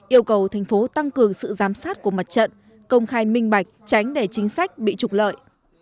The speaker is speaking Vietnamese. yêu cầu thành phố tăng cường sự giám sát của mặt trận công khai minh bạch tránh để chính sách bị trục lợi